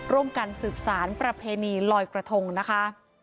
ร่วมกันสืบสารประเพณีลอยกระทงนะคะ